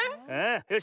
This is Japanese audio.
よし。